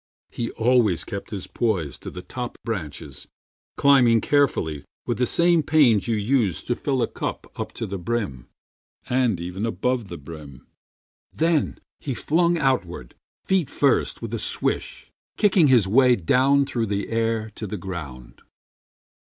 He always kept his poise To the top branches, climbing carefully With the same pains you use to fill a cup Up to the brim, and even above the brim. Then he flung outward, feet first, with a swish, Kicking his way down through the air to the ground.